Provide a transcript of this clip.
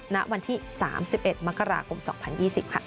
ณวันที่๓๑มกราคม๒๐๒๐ค่ะ